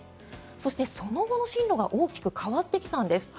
そして、その後の進路が大きく変わってきたんです。